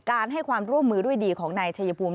ให้ความร่วมมือด้วยดีของนายชัยภูมิ